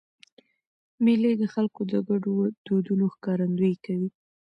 مېلې د خلکو د ګډو دودونو ښکارندویي کوي.